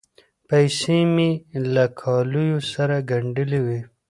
پیسې مې له کالیو سره ګنډلې وې.